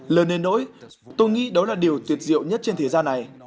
lần nền nỗi tôi nghĩ đó là điều tuyệt diệu nhất trên thế gian này